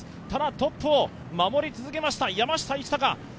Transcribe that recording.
ただ、トップを守り続けました、山下一貴。